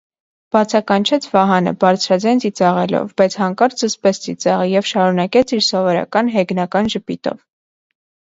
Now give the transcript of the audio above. - բացականչեց Վահանը բարձրաձայն ծիծաղելով, բայց հանկարծ զսպեց ծիծաղը և շարունակեց իր սովորական հեգնական ժպիտով: